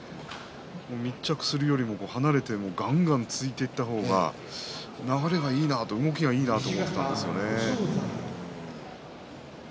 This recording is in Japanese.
密着するよりも離れてがんがん突いていった方が流れがいいな、動きがいいなと思っていたんですよね。